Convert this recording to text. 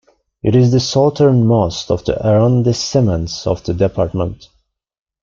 It is the southernmost of the arrondissements of the department.